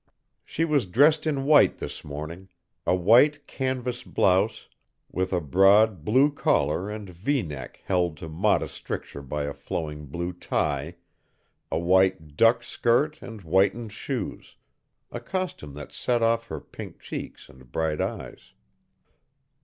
She was dressed in white this morning; a white canvas blouse with a broad blue collar and V neck held to modest stricture by a flowing blue tie, a white duck skirt and whitened shoes a costume that set off her pink cheeks and bright eyes.